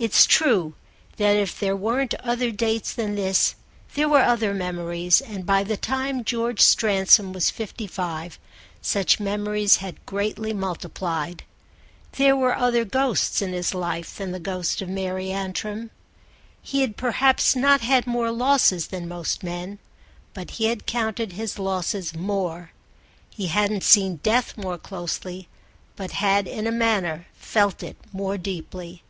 It's true that if there weren't other dates than this there were other memories; and by the time George Stransom was fifty five such memories had greatly multiplied. There were other ghosts in his life than the ghost of Mary Antrim. He had perhaps not had more losses than most men, but he had counted his losses more; he hadn't seen death more closely, but had in a manner felt it more deeply.